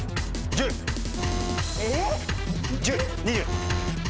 １０２０。